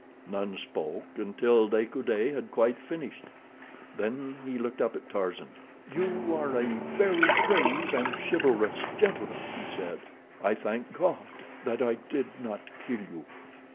None spoke until De Coude had quite finished, then he looked up at Tarzan. "You are a very brave and chivalrous gentleman," he said. "I thank God that I did not kill you."